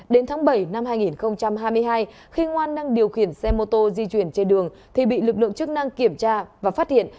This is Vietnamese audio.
đến tháng bảy năm hai nghìn hai mươi hai khi ngoan đang điều khiển xe mô tô di chuyển trên đường thì bị lực lượng chức năng kiểm tra và phát hiện